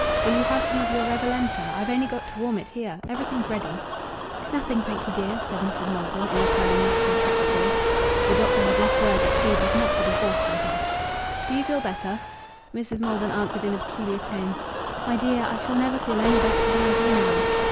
"Will you have some of your Revalenta? I've only got to warm it, here. Everything's ready." "Nothing, thank you, dear," said Mrs. Maldon, in a firm, matter of fact voice. The doctor had left word that food was not to be forced on her. "Do you feel better?" Mrs. Maldon answered, in a peculiar tone "My dear, I shall never feel any better than I do now."